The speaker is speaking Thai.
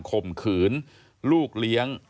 ข่มขืนลูกเลี้ยง